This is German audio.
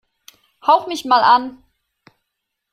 Hauch mich mal an!